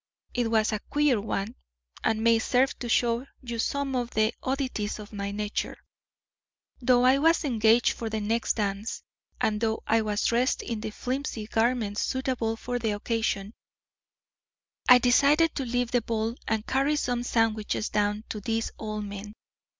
It was a queer one, and may serve to show you some of the oddities of my nature. Though I was engaged for the next dance, and though I was dressed in the flimsy garments suitable to the occasion, I decided to leave the ball and carry some sandwiches down to these old men.